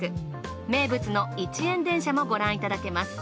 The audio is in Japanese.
名物の一円電車もご覧いただけます。